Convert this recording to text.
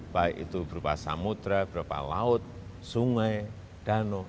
baik itu berupa samudra berupa laut sungai dano